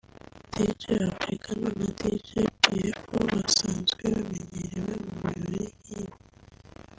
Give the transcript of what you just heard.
Dj Africano na Dj Pyfo basanzwe bamenyerewe mu birori nk’ibi